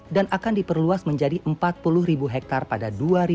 dan akan diperluas menjadi empat puluh hektar pada dua ribu dua puluh tiga